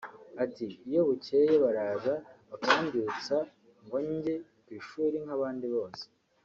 Ati “Iyo bukeye baraza bakambyutsa ngo njye ku ishuri nk’abandi bose